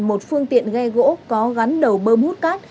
một phương tiện ghe gỗ có gắn đầu bơm hút cát